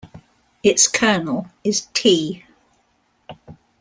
Its kernel is "T".